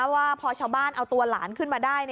ว่าพอชาวบ้านเอาตัวหลานขึ้นมาได้